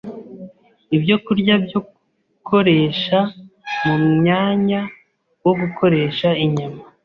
ibyokurya byo gukoresha mu mwanya wo gukoresha inyama.